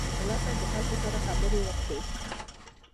ملا صیب د خلکو سره خبرې وکړې.